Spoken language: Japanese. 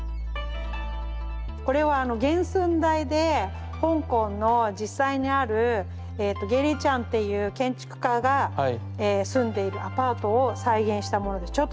これは原寸大で香港の実際にあるゲイリー・チャンっていう建築家が住んでいるアパートを再現したものです。